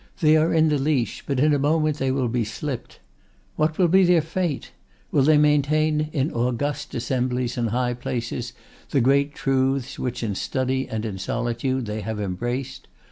They are in the leash, but in a moment they will be slipped. What will be their fate? Will they maintain in august assemblies and high places the great truths which, in study and in solitude, they have embraced?